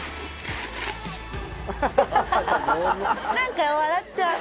何か笑っちゃう。